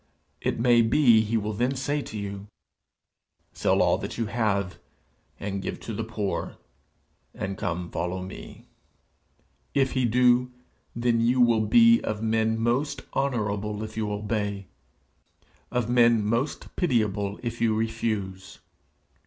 it may be he will then say to you, "Sell all that you have and give to the poor, and come follow me." If he do, then will you be of men most honourable if you obey of men most pitiable if you refuse.